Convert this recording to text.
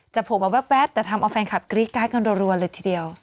จะผ่ามาแบ๊บแต่ทำเอาแฟนคับกรีดกล้าทัยกันตัวรวมเลยทีเดียว